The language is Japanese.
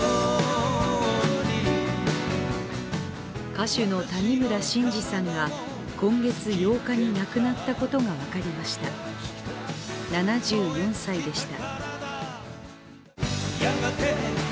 歌手の谷村新司さんが、今月８日に亡くなったことが分かりました、７４歳でした。